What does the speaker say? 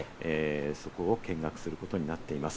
そこを見学されることになっています。